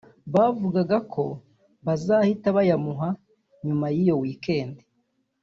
bavugaga ko bazahita bayamuha nyuma y’iyo weekend